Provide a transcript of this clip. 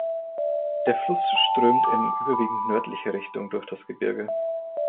Der Fluss strömt in überwiegend nördlicher Richtung durch das Gebirge.